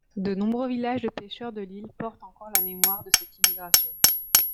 De nombreux villages de pêcheurs de l'île portent encore la mémoire de cette immigration.